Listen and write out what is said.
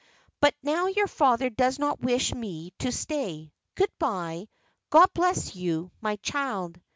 But now your father does not wish me to stay. Good bye. God bless you, my child."